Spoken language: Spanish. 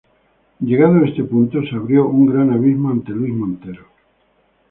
Llegado este punto se abrió un gran abismo ante Luis Montero.